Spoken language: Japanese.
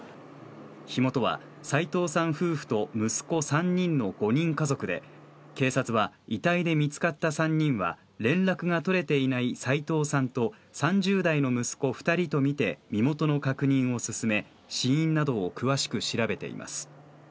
火元は齋藤さん夫婦と息子３人の５人家族で、警察は遺体で見つかった３人は連絡が取れていない齋藤さんと３０代の息子２人とみて身元の確認を進め、死因などを詳しく調べています。